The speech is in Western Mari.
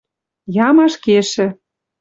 Ямаш кешӹ